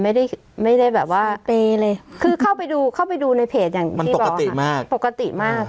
ไม่ได้ไม่ได้แบบว่าคือเข้าไปดูเข้าไปดูในเพจอย่างมันปกติมากปกติมาก